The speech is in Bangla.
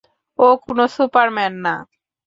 ও কোন সুপারম্যান না!